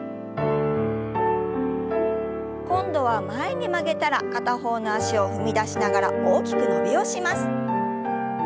今度は前に曲げたら片方の脚を踏み出しながら大きく伸びをします。